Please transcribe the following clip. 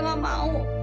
leha gak mau